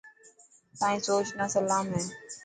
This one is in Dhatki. تائن سوچ نا سلام هي.